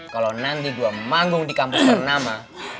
kalau nanti gue manggung di kampus ternama